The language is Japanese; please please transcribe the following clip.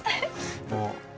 もう。